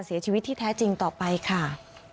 รีบปลีแล้วแทบจะไม่เหลือแล้วค่อยไปพา